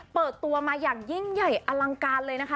เปิดมันมายิ่งใหญ่อลังการเลยนะคะ